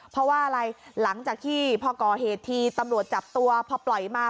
เพราะว่าอะไรหลังจากที่พอก่อเหตุทีตำรวจจับตัวพอปล่อยมา